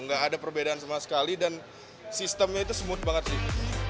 nggak ada perbedaan sama sekali dan sistemnya itu smooth banget sih